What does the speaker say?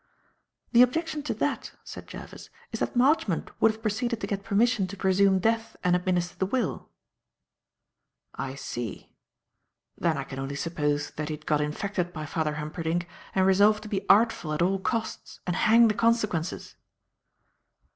"The objection to that," said Jervis, "is that Marchmont would have proceeded to get permission to presume death and administer the will." "I see. Then I can only suppose that he had got infected by Father Humperdinck and resolved to be artful at all costs and hang the consequences."